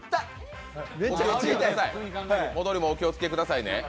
戻りもお気をつけくださいね。